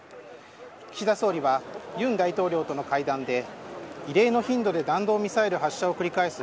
岸田総理は尹大統領との会談で異例の頻度で弾道ミサイル発射を繰り返す